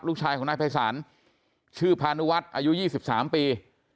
ลูกชายของนายภัยศาลชื่อพานุวัฒน์อายุ๒๓ปี